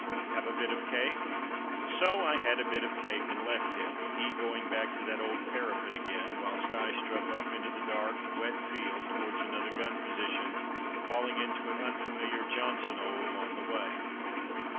Have a bit of cake?" So I had a bit of cake and left him; he going back to that old parapet again, whilst I struck off into the dark, wet field towards another gun position, falling into an unfamiliar "Johnson 'ole" on the way.